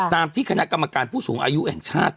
ตามที่คณะกรรมการผู้สูงอายุแห่งชาติ